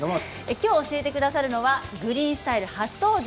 きょう教えてくださるのは「グリーンスタイル」初登場